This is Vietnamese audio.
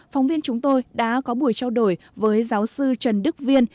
phóng viên chúng tôi đã có buổi trao đổi với giáo sư trần đức viên